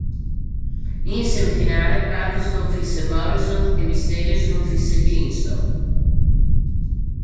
In semifinale, Punk sconfisse Morrison e Mysterio sconfisse Kingston.